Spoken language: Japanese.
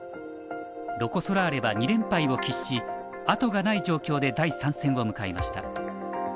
ロコ・ソラーレは２連敗を喫し後がない状況で第３戦を迎えました。